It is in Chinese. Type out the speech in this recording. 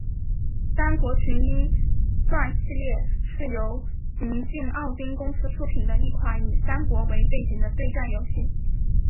三国群英传系列是由宇峻奥汀公司出品的一款以三国为背景的对战游戏。